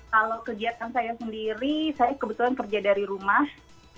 kalau kegiatan saya sendiri saya kebetulan kerja dari rumah